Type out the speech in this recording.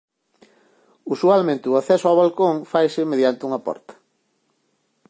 Usualmente o acceso ao balcón faise mediante unha porta.